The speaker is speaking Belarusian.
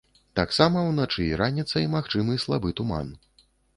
Таксама ўначы і раніцай магчымы слабы туман.